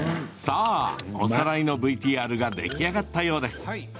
おさらいのＶＴＲが出来上がったようです。